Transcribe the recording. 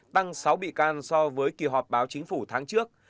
tăng sáu bị can so với kỳ họp báo chính phủ tháng trước